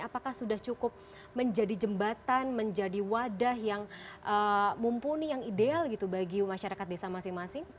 apakah sudah cukup menjadi jembatan menjadi wadah yang mumpuni yang ideal gitu bagi masyarakat desa masing masing